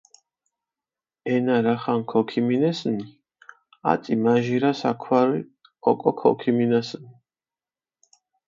ენა რახან ქოქიმინესჷნი, აწი მაჟირა საქვარი ოკო ქოქიმინასჷნი.